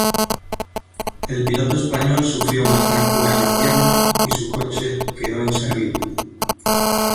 El piloto español sufrió una fractura en la pierna, y su coche quedó inservible.